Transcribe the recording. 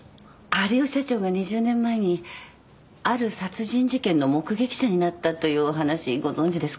治代社長が２０年前にある殺人事件の目撃者になったというお話ご存じですか？